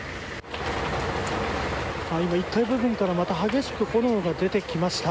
１階部分からまた激しく炎が出てきました。